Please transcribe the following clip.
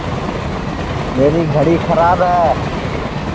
میری گھڑی کھراب ہے